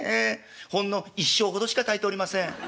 ほんの一升ほどしか炊いておりません」。